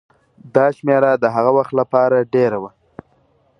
دا شمېره د هغه وخت لپاره ډېره وه.